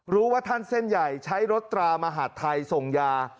รู้ว่าท่านเส้นใหญ่ใช้รถตรามหาดไทยส่งยา